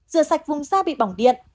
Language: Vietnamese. rửa sạch vùng da bị bỏng điện